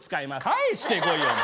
返してこいよお前。